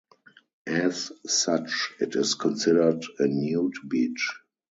As such it is considered a nude beach.